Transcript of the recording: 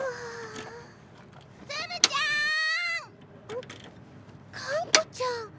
あっがんこちゃん。